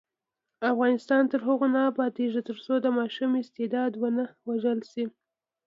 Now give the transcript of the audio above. افغانستان تر هغو نه ابادیږي، ترڅو د ماشوم استعداد ونه وژل شي.